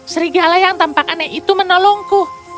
serigala yang tampak aneh itu menolongku